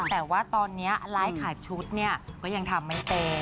แต่ว่าตอนนี้ไลฟ์ขายชุดเนี่ยก็ยังทำไม่เป็น